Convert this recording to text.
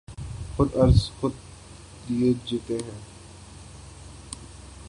خود غرض خود لئے جیتے ہیں۔